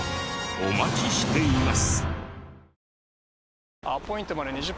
お待ちしています。